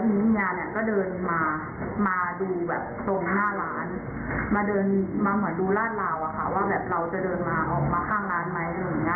มาเหาะดูลาดลาวว่าเราจะเดินมาออกมาข้างร้านไม้